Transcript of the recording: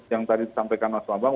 yang tadi disampaikan mas bambang